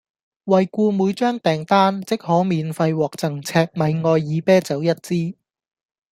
惠顧每張訂單即可免費獲贈赤米愛爾啤酒一支